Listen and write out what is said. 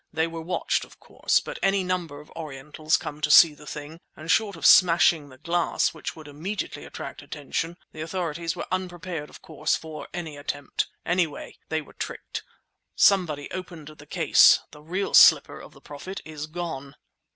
They were watched, of course, but any number of Orientals come to see the thing; and, short of smashing the glass, which would immediately attract attention, the authorities were unprepared, of course, for any attempt. Anyway, they were tricked. Somebody opened the case. The real slipper of the Prophet is gone!"